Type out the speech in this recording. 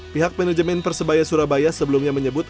pihak manajemen persebaya surabaya sebelumnya menyebut